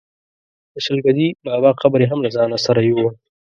د شل ګزي بابا قبر یې هم له ځانه سره یووړ.